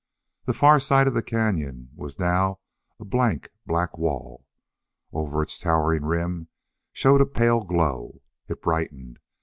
The far side of the cañon was now a blank, black wall. Over its towering rim showed a pale glow. It brightened.